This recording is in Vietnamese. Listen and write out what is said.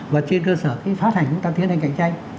và trên cơ sở khi phát hành chúng ta tiến hành cạnh tranh